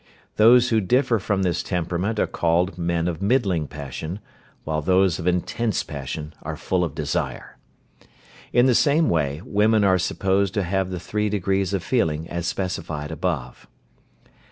Those who differ from this temperament are called men of middling passion, while those of intense passion are full of desire. In the same way, women are supposed to have the three degrees of feeling as specified above.